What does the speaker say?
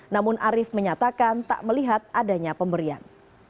namun arief menyatakan tak melihat adanya pemberian